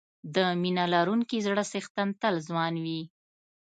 د مینه لرونکي زړه څښتن تل ځوان وي.